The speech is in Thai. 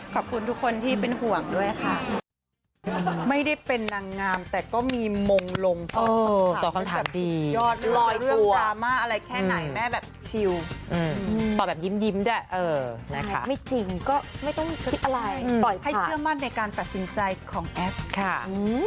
ขอบคุณทุกคนที่เป็นห่วงด้วยค่ะ